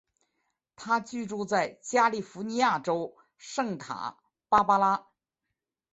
他居住在加利福尼亚州圣塔芭芭拉。